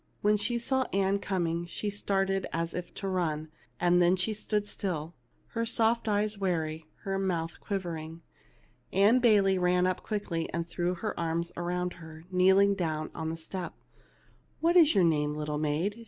When she saw Ann coming she started as if to run ; then she stood still, her soft eyes wary, her mouth quiv ering. Ann Bayley ran up quickly, and threw her arms around her, kneeling down on the step. " What is your name, little maid